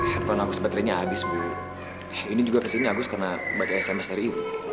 handphone agus baterainya habis bu ini juga kesini agus karena baca sms dari ibu